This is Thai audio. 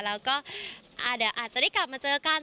เราก็อาจจะได้กลับมาเจอกัน